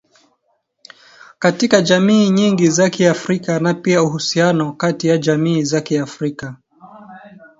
katika jamii nyingi za Kiafrika na pia uhusiano kati ya jamii za Kiafrika